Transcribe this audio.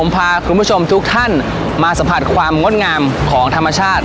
พาคุณผู้ชมมาสะพัดความง่วดงามของธรรมชาติ